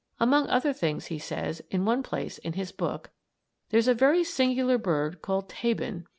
Among other things he says, in one place in his book: "There is a very singular bird called Tabon.